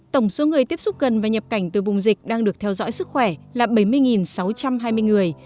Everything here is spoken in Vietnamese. tổng số người tiếp xúc gần và nhập cảnh từ vùng dịch đang được theo dõi sức khỏe là bảy mươi sáu trăm hai mươi người